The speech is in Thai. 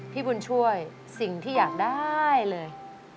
พี่บุญช่วยสิ่งที่อยากได้เลย